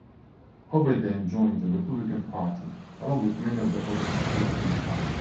Hovey then joined the Republican Party, along with many of the other expelled Democrats.